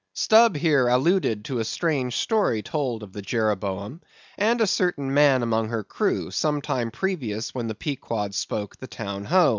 Stubb here alluded to a strange story told of the Jeroboam, and a certain man among her crew, some time previous when the Pequod spoke the Town Ho.